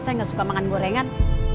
saya nggak suka makan gorengan